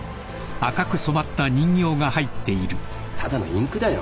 ただのインクだよ。